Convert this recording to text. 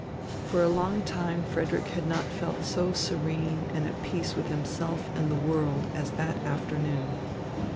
For a long time Frederick had not felt so serene and at peace with himself and the world as that afternoon.